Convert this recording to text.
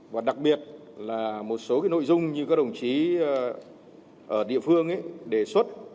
và đặc biệt là một số nội dung như các đồng chí ở địa phương đề xuất